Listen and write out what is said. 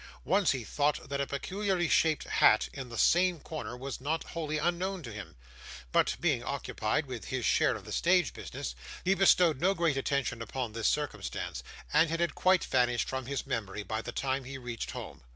Once, he thought that a peculiarly shaped hat in the same corner was not wholly unknown to him; but, being occupied with his share of the stage business, he bestowed no great attention upon this circumstance, and it had quite vanished from his memory by the time he reached home.